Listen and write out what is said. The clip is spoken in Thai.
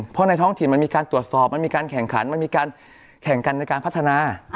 เพราะในท้องถิ่นมันมีการตรวจสอบมันมีการแข่งขันมันมีการแข่งกันในการพัฒนา